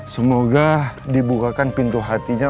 semoga dibukakan pintu hatinya